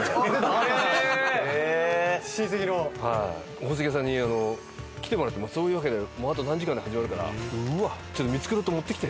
宝石屋さんに来てもらって「そういうわけでもうあと何時間で始まるからちょっと見繕って持ってきて！」。